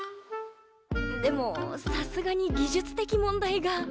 でもさすがに技術的問題が。